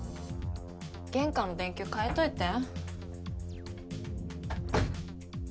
玄関の電球替えといて。